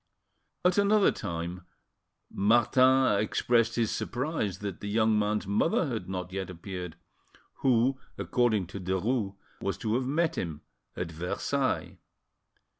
At another time, Martin expressed his surprise that the young man's mother had not yet appeared, who, according to Derues, was to have met him at Versailles.